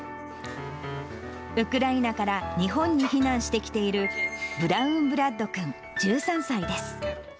ウクライナから日本に避難してきている、ブラウン・ブラッド君１３歳です。